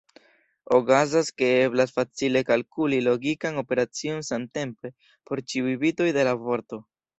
Okazas ke eblas facile kalkuli logikan operacion samtempe por ĉiuj bitoj de la vorto.